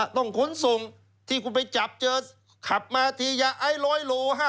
ต้องขนส่งที่คุณไปจับเจอขับมาทียายร้อยโล